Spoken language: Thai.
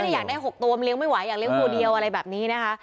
ถ้าอยากได้๖ตัวมันเลี้ยไม่ไหวอยากเลี้ยตัวเดียวอะไรแบบนี้นะคะ